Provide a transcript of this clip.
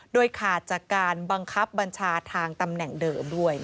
โดยขาดจากการบังคับบัญชาทางตำแหน่งเดิมด้วย